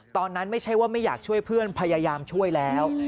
ไม่ใช่ว่าไม่อยากช่วยเพื่อนพยายามช่วยแล้ว